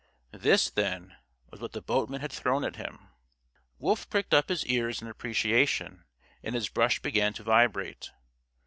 This, then, was what the boatman had thrown at him! Wolf pricked up his ears in appreciation, and his brush began to vibrate.